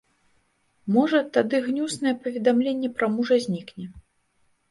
Можа, тады гнюснае паведамленне пра мужа знікне.